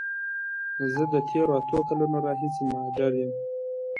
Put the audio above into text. زه د تیرو اته کالونو راهیسی مهاجر یم.